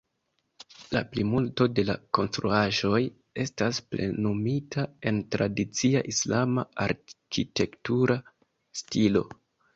La plimulto de la konstruaĵoj estas plenumita en tradicia islama arkitektura stilo.